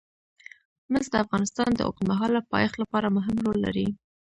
مس د افغانستان د اوږدمهاله پایښت لپاره مهم رول لري.